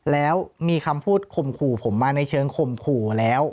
แล้วมีคำพูดข่มขู่ผมมาในเชิงข่มขู่แล้ว